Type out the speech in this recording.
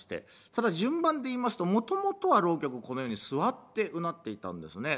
ただ順番でいいますともともとは浪曲このように座ってうなっていたんですね。